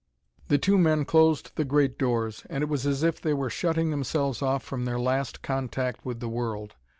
The two men closed the great doors, and it was as if they were shutting themselves off from their last contact with the world.